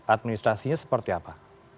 administrasinya seperti apa